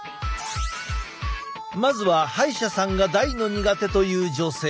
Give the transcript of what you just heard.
まずは歯医者さんが大の苦手という女性。